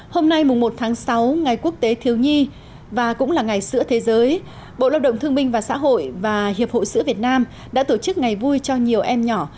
hôm nay mùng một tháng sáu ngày quốc tế thiếu nhi và cũng là ngày sữa thế giới bộ lao động thương minh và xã hội và hiệp hội sữa việt nam đã tổ chức ngày vui cho nhiều em nhỏ